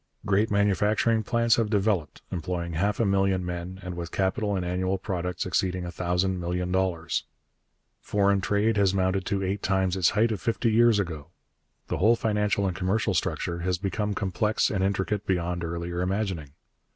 Great manufacturing plants have developed, employing half a million men, and with capital and annual products exceeding a thousand million dollars. Foreign trade has mounted to eight times its height of fifty years ago. The whole financial and commercial structure has become complex and intricate beyond earlier imagining.